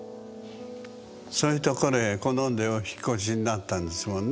そういうところへ好んでお引っ越しになったんですもんね？